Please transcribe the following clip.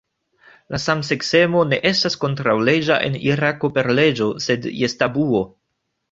La samseksemo ne estas kontraŭleĝa en Irako per leĝo, sed jes tabuo.